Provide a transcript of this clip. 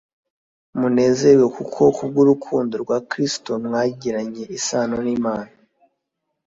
Munezezwe nuko kubw'urukundo rwa Kristo mwagiranye isano n'Imana,